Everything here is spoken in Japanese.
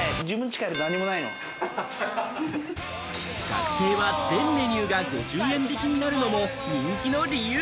学生は全メニューが５０円引きになるのも人気の理由。